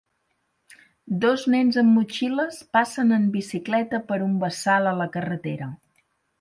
Dos nens amb motxilles passen en bicicleta per un bassal a la carretera.